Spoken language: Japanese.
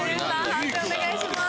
判定お願いします。